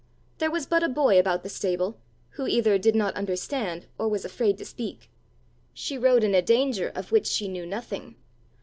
There was but a boy about the stable, who either did not understand, or was afraid to speak: she rode in a danger of which she knew nothing.